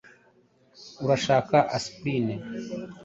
Urashaka aspirine?